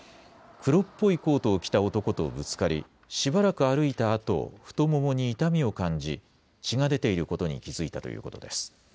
黒っぽいコートを着た男とぶつかり、しばらく歩いたあと、太ももに痛みを感じ、血が出ていることに気付いたということです。